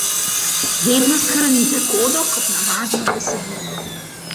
Vedno shranite kodo kot navadno besedilo.